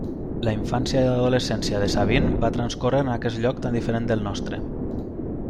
La infància i adolescència de Sabine va transcórrer en aquest lloc tan diferent del nostre.